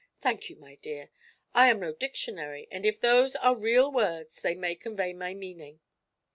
"Thank you, my dear; I am no dictionary, and if those are real words they may convey my meaning.